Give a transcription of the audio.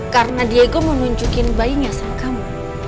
karena diego mau nunjukin bayinya sama kamu